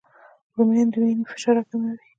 رومیان د وینې فشار راکموي